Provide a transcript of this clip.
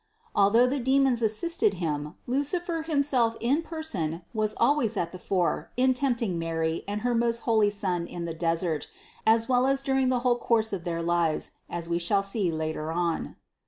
Although the demons assisted him, Lucifer himself in person was always at the fore in tempting Mary and her most holy Son in the desert, as well as during the whole course of their lives, as we shall see later on.